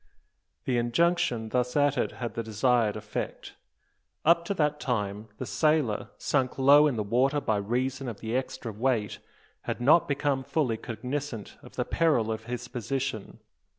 The injunction thus uttered had the desired effect. Up to that time the sailor, sunk low in the water by reason of the extra weight, had not become fully cognisant of the peril of his position.